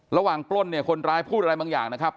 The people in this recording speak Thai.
ระหว่างปล้นคนร้ายพูดอะไรบางอย่างนะครับ